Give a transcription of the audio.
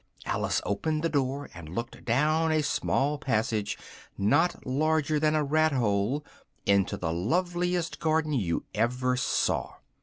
Alice opened the door, and looked down a small passage, not larger than a rat hole, into the loveliest garden you ever saw.